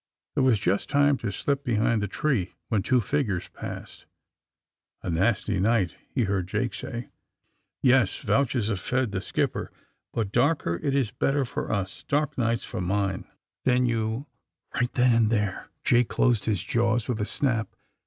There was just time to slip behind the tree when two figures passed. A nasty night," he heard Jake say. '^Yes," vouchsafed the skipper, '*but the darker it is the better for us. Dark nights for mine. '^ *^Then you >) Eight then and there Jake closed his jaws with a snap.